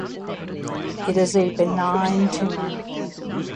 It is a benign tumor.